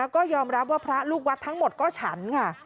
ก็ยอมรับว่าพระลูกวัดทั้งหมดก็ฉันค่ะ